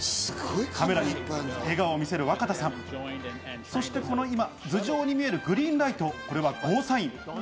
カメラに笑顔を見せる若田さん、そしてこの今、頭上に見えるグリーンライト、これはＧＯサイン。